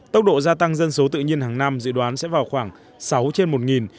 tốc độ gia tăng dân số tự nhiên hàng năm dự đoán sẽ vào khoảng sáu trên một